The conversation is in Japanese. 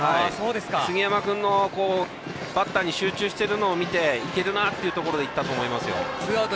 杉山君がバッターに集中しているのを見ていけるなというところでいったと思いますよ。